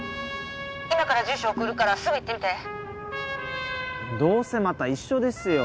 ☎今から住所送るからすぐ行ってみてどうせまた一緒ですよ